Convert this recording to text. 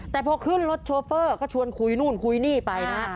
แต่พอขึ้นรถโชเฟอร์ก็ชวนคุยนู่นคุยนี่ไปนะฮะ